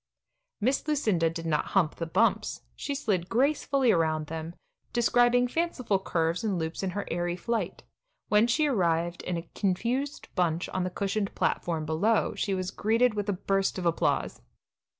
Miss Lucinda did not "hump the bumps"; she slid gracefully around them, describing fanciful curves and loops in her airy flight. When she arrived in a confused bunch on the cushioned platform below, she was greeted with a burst of applause.